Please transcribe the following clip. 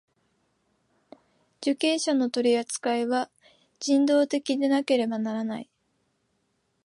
受刑者の取扱いは人道的でなければならない。